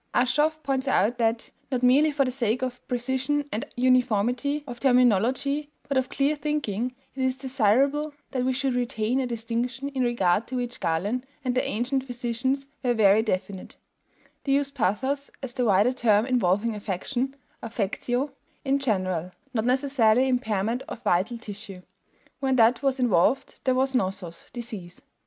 Aschoff points out that, not merely for the sake of precision and uniformity of terminology but of clear thinking, it is desirable that we should retain a distinction in regard to which Galen and the ancient physicians were very definite. They used pathos as the wider term involving affection (affectio) in general, not necessarily impairment of vital tissue; when that was involved there was nosos, disease. We have to recognize the distinction even if we reject the terminology.